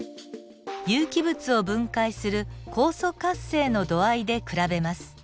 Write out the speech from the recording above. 有機物を分解する酵素活性の度合いで比べます。